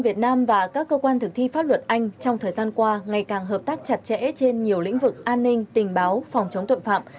việt nam và các cơ quan thực thi pháp luật anh trong thời gian qua ngày càng hợp tác chặt chẽ trên nhiều lĩnh vực an ninh tình báo phòng chống tội phạm